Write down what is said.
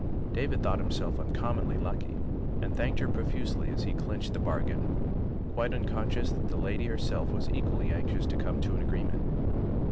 David thought himself uncommonly lucky and thanked her profusely as he clinched the bargain, quite uncon scious that the lady herself was equally anxious to come to an agreement.